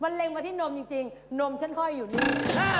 มันเร่งมาที่นมจริงนมฉันค่อยอยู่นี่